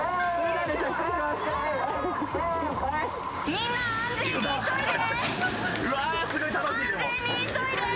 みんな安全に急いでね。